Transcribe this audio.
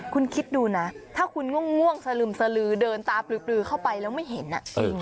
คุณคิดดูนะถ้าคุณง่วงสลึมสลือเดินตาปลือเข้าไปแล้วไม่เห็น